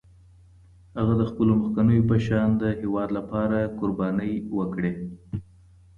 هغه د خپلو مخکینو په شان د هېواد لپاره قربانۍ وکړې.